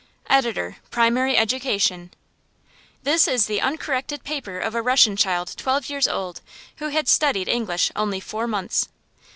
EDITOR "PRIMARY EDUCATION": This is the uncorrected paper of a Russian child twelve years old, who had studied English only four months.